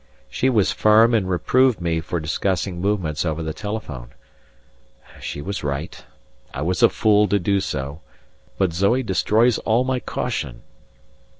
She was firm and reproved me for discussing movements over the telephone. She was right; I was a fool to do so; but Zoe destroys all my caution.